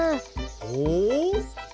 ほう。